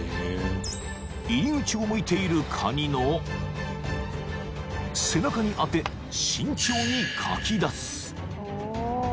［入り口を向いているカニの背中に当て慎重にかき出す］